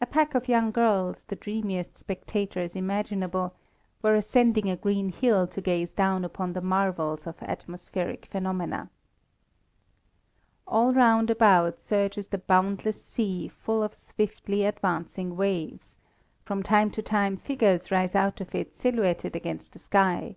A pack of young girls, the dreamiest spectators imaginable, were ascending a green hill to gaze down upon the marvels of atmospheric phenomena. All round about surges the boundless sea full of swiftly advancing waves; from time to time figures rise out of it silhouetted against the sky.